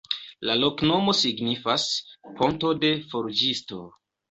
La loknomo signifas: ponto de forĝisto.